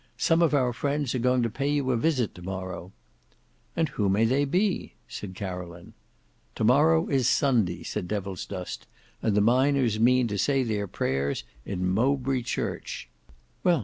Some of our friends are going to pay you a visit to morrow." "And who may they be?" said Caroline. "To morrow is Sunday," said Devilsdust, "and the miners mean to say their prayers in Mowbray Church."